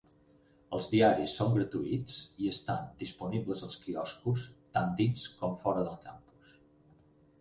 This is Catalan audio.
Els diaris són gratuïts i estan disponibles als quioscos tant dins com fora del campus.